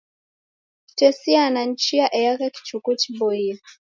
Kutesiana ni chia eagha kichuku chiboie.